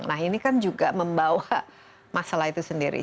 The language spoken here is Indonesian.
nah ini kan juga membawa masalah itu sendiri